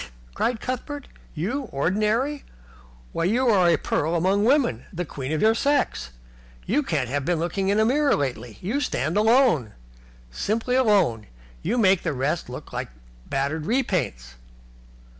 cried Cuthbert. "You ordinary? Why, you are a pearl among women, the queen of your sex. You can't have been looking in a glass lately. You stand alone. Simply alone. You make the rest look like battered repaints."